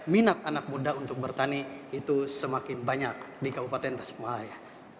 minat anak muda untuk bertani itu semakin banyak di kabupaten tasikmalaya